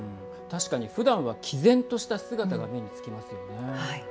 確かに、ふだんはきぜんとした姿が目につきますよね。